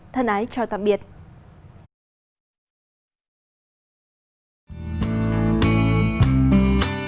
thân ái chào tạm biệt